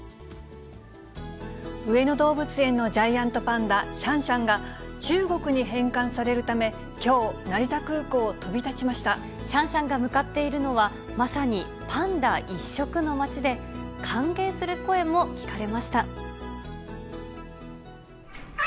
上野動物園のジャイアントパンダ、シャンシャンが、中国に返還されるため、きょう、シャンシャンが向かっているのは、まさにパンダ一色の街で、歓迎する声も聞かれました。